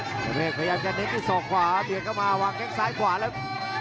พยายามจะเน็กที่สองขวาเดี๋ยวเข้ามาวางแค่งซ้ายขวาแล้ว